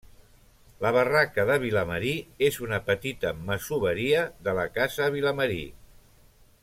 La Barraca de Vilamarí és una petita masoveria de la casa Vilamarí.